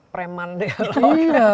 preman deh iya